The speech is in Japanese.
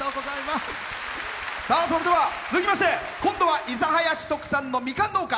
それでは続きまして今度は諫早市の特産のみかん農家。